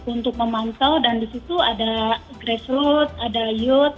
untuk memantau dan disitu ada grassroot ada youth